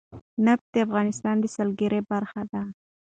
نفت د افغانستان د سیلګرۍ برخه ده.